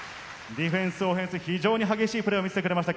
ディフェンス、オフェンス、非常に激しいプレーを見せてくれました。